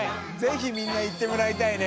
爾みんな行ってもらいたいね